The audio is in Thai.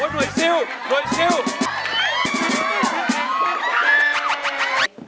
หน่วยซิลหน่วยซิล